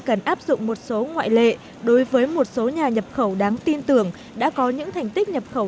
cần áp dụng một số ngoại lệ đối với một số nhà nhập khẩu đáng tin tưởng đã có những thành tích nhập khẩu